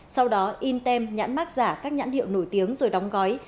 sau đó in tem nhãn mát giả các nhãn hiệu nổi tiếng rồi đóng gói